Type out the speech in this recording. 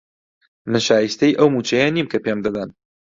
من شایستەی ئەو مووچەیە نیم کە پێم دەدەن.